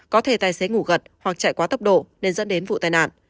có thể tài xế ngủ gật hoặc chạy quá tốc độ nên dẫn đến vụ tai nạn